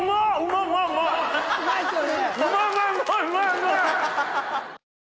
うまいっすよね！